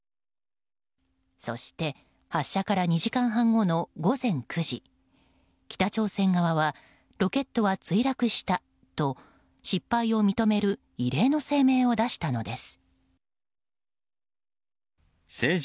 そして発射から２時間半後の午前９時北朝鮮側はロケットは墜落したと失敗を認める異例の声明を出したのです。